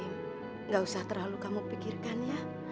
tidak usah terlalu kamu pikirkan ya